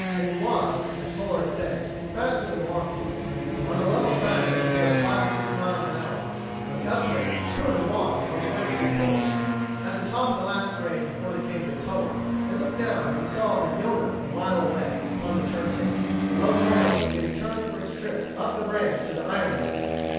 It was, as Fuller had said, faster than walking. On level track they could go five or six miles an hour; on the upgrades, two of them walked while the other two poled. At the top of the last grade before they came to Etowah, they looked down and saw the Yonah a mile away, upon the turn table. The locomotive was being turned for its trip up the branch to the iron works!